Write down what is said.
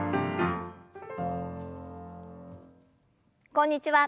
こんにちは。